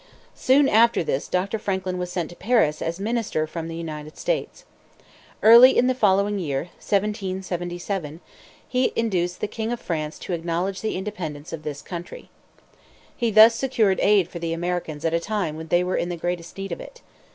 Soon after this Dr. Franklin was sent to Paris as minister from the United States. Early in the following year, 1777, he induced the king of France to acknowledge the independence of this country. He thus secured aid for the Americans at a time when they were in the greatest need of it.